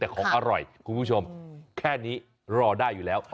แต่ของอร่อยคุณผู้ชมแค่นี้รอได้อยู่แล้ว